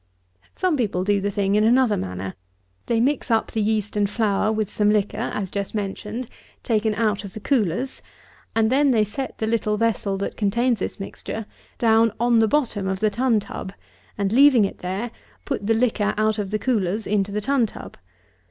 Some people do the thing in another manner. They mix up the yeast and flour with some liquor (as just mentioned) taken out of the coolers; and then they set the little vessel that contains this mixture down on the bottom of the tun tub; and, leaving it there, put the liquor out of the coolers into the tun tub.